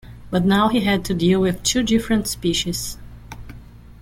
But now he had to deal with two different species.